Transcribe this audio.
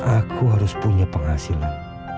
aku harus punya penghasilan